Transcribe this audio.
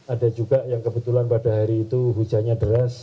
ada juga yang kebetulan pada hari itu hujannya deras